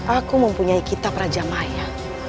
aku mempunyai kitab raja maya